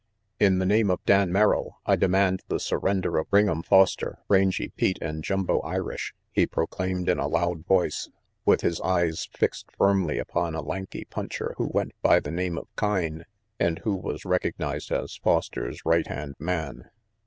"In the name of Dan Merrill, I demand the sur render of Ring'em Foster, Rangy Pete and Jumbo Irish," he proclaimed in a loud voice, with his eyes fixed firmly upon a lanky puncher who went by the name of Kyne and who was recognized as Foster's right hand man.